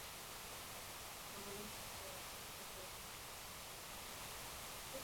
na mashambulizi yao yenye mauaji yanalenga wanavijiji wakulima na wasafiri